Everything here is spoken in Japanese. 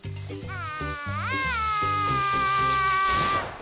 あ？